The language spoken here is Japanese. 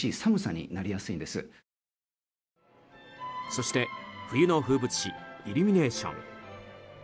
そして冬の風物詩イルミネーション。